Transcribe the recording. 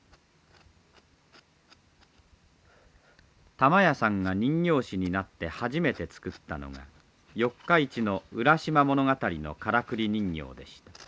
玉屋さんが人形師になって初めて作ったのが四日市の「浦島物語」のからくり人形でした。